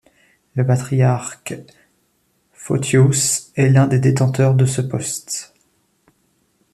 Le patriarche Photios est l'un des détenteurs de ce poste.